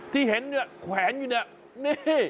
ที่เห็นแขวนอยู่นี่